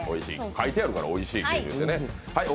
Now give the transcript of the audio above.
書いてあるから、おいしい牛乳ってね。